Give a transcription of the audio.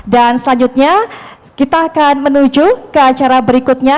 dan selanjutnya kita akan menuju ke acara berikutnya